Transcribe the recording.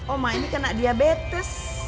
oma ini kena diabetes